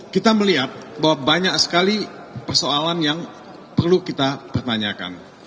kita melihat bahwa banyak sekali persoalan yang perlu kita pertanyakan